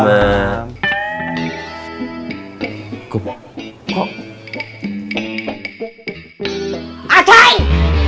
sampe hari lo ataik